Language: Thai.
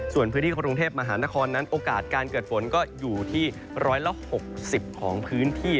ส่วนพื้นที่กรุงเทพมหานครนั้นโอกาสการเกิดฝนก็อยู่ที่๑๖๐ของพื้นที่